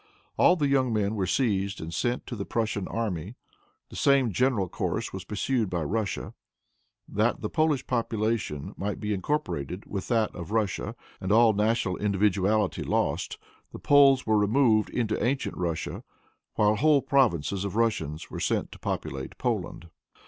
All the young men were seized and sent to the Prussian army. The same general course was pursued by Russia. That the Polish population might be incorporated with that of Russia, and all national individuality lost, the Poles were removed into ancient Russia, while whole provinces of Russians were sent to populate Poland.